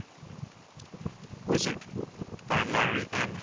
] WIZARD. By Larry M.